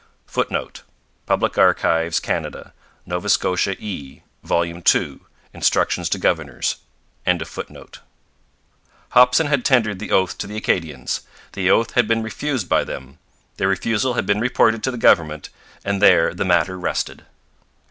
[Footnote: Public Archives, Canada. Nova Scotia E, vol. ii. Instructions to Governors.] Hopson had tendered the oath to the Acadians. The oath had been refused by them. Their refusal had been reported to the government; and there the matter rested.